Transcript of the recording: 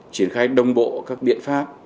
triển khai đồng bộ các biện pháp